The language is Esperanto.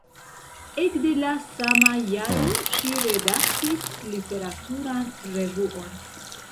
Ekde la sama jaro ŝi redaktis literaturan revuon.